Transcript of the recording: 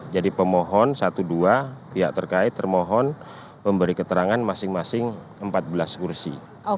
pemohon satu dua pihak terkait termohon memberi keterangan masing masing empat belas kursi